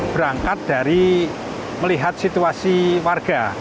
berangkat dari melihat situasi warga